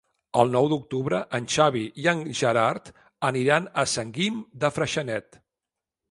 El nou d'octubre en Xavi i en Gerard aniran a Sant Guim de Freixenet.